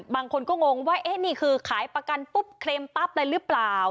บางคนก็งงว่านี่คือขายประกันปุ๊บเกร็มปั้บอะไรรึปล่าว